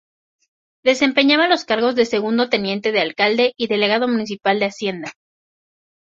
Desempeñaba los cargos de segundo teniente de alcalde y delegado municipal de Hacienda.